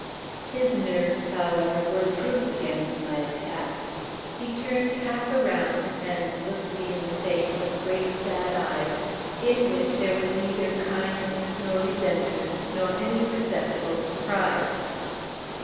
His nerves, however, were proof against my attack. He turned half around, and looked me in the face with great sad eyes, in which there was neither kindness nor resentment, nor any perceptible surprise.